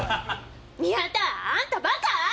宮田、あんた、バカぁ？